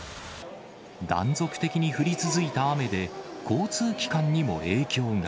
断続的に降り続いた雨で、交通機関にも影響が。